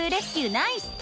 ナイス！